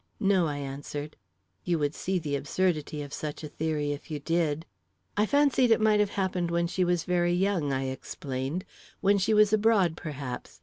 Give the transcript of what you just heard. "No," I answered. "You would see the absurdity of such a theory if you did." "I fancied it might have happened when she was very young," I explained; "when she was abroad, perhaps.